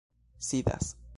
sidas